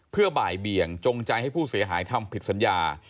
เพื่อบ่ายเบี่ยงจงใจให้ผู้เสียหายทำผิดสัญญา